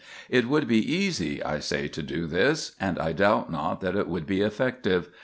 It would be easy, I say, to do this; and I doubt not that it would be effective.